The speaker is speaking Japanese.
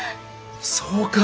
そうか！